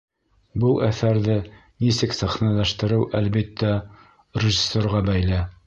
Был әҫәрҙе нисек сәхнәләштереү, әлбиттә, режиссерға бәйле.